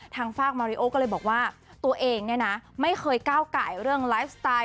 ฝากมาริโอก็เลยบอกว่าตัวเองเนี่ยนะไม่เคยก้าวไก่เรื่องไลฟ์สไตล์